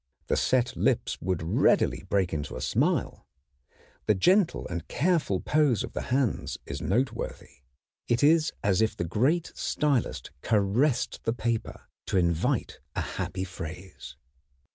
The set lips would readily break into a smile. The gentle and careful pose of the hands is noteworthy. It is as if the great stylist caressed the paper to invite a happy phrase.